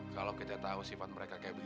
kalau kita tahu sifat mereka kayak begini